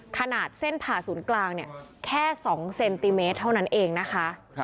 ขนาดเส้นผ่าศูนย์กลางเนี่ยแค่๒เซนติเมตรเท่านั้นเองนะคะ